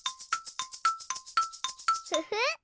フフ！